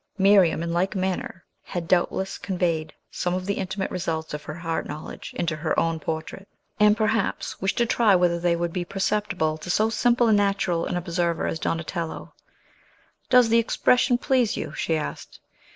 Miriam, in like manner, had doubtless conveyed some of the intimate results of her heart knowledge into her own portrait, and perhaps wished to try whether they would be perceptible to so simple and natural an observer as Donatello. "Does the expression please you?" she asked.